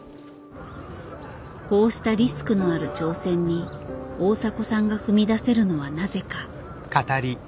こうしたリスクのある挑戦に大迫さんが踏み出せるのはなぜか。